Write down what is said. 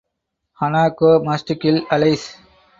Hanako must kill Alice.